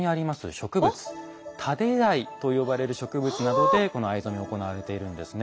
植物タデアイと呼ばれる植物などでこの藍染めが行われているんですね。